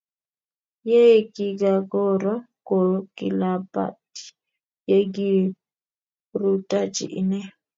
Ye kikakoro ko kilapatyi ye kirutachi ine